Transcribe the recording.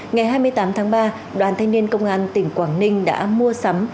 ngày hai mươi tám tháng ba đoàn thanh niên công an tỉnh quảng ninh đã mua sắm